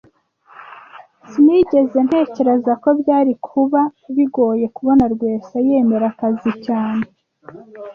Sinigeze ntekereza ko byari kuba bigoye kubona Rwesa yemera akazi cyane